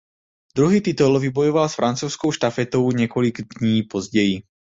Druhý titul vybojoval s francouzskou štafetou několik dní později.